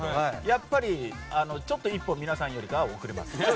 やっぱりちょっと一歩皆さんよりかは遅れます。